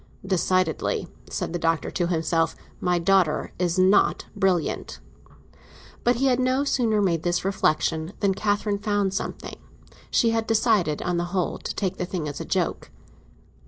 "Decidedly," said the Doctor to himself, "my daughter is not brilliant." But he had no sooner made this reflexion than Catherine found something; she had decided, on the whole, to take the thing as a joke.